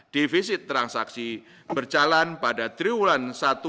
divisit transaksi berjalan pada triwulan satu dua ribu dua puluh satu